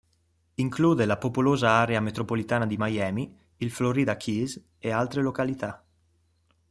Include la popolosa area metropolitana di Miami, il Florida Keys e altre località.